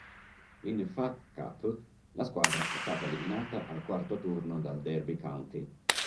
In Fa Cup la squadra è stata eliminata al Quarto turno dal Derby County.